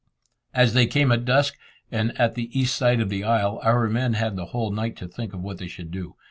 As they came at dusk, and at the East side of the isle, our men had the whole night to think of what they should do.